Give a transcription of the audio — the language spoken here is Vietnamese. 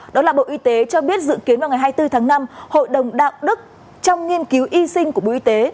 đó là bộ y tế cho biết dự kiến vào ngày hai mươi bốn tháng năm hội đồng đạo đức trong nghiên cứu y sinh của bộ y tế